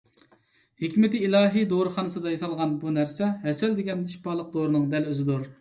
ھېكمىتى ئىلاھىي دورىخانىسىدا ياسالغان بۇ نەرسە ھەسەل دېگەن شىپالىق دورىنىڭ دەل ئۆزىدۇر.